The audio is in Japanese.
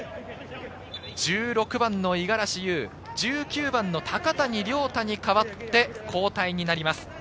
１６番の五十嵐悠、１９番の高谷遼太に代わって交代になります。